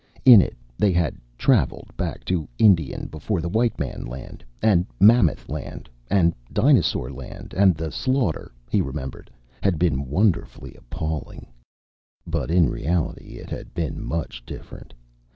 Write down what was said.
In it, they had "traveled" back to Indian before the white man land and mammoth land and dinosaur land and the slaughter, he remembered, had been wonderfully appalling. But, in reality, it had been much different.